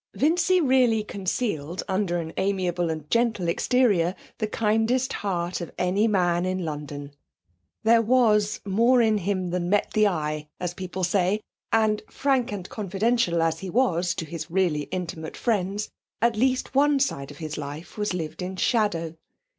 Vincy really concealed under an amiable and gentle exterior the kindest heart of any man in London. There was 'more in him than met the eye,' as people say, and, frank and confidential as he was to his really intimate friends, at least one side of his life was lived in shadow.